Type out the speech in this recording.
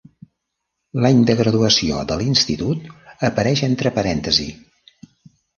L"any de graduació de l"institut apareix entre parèntesi.